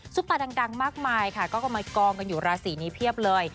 ซุปรันดังมากมายค่ะก็มากองกันอยู่ราศีนี้เพียบเลย